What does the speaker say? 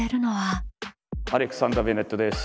アレキサンダー・ベネットです。